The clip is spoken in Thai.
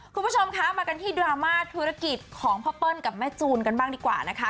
คุณผู้ชมคะมากันที่ดราม่าธุรกิจของพ่อเปิ้ลกับแม่จูนกันบ้างดีกว่านะคะ